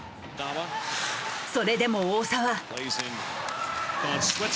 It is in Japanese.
それでも大澤。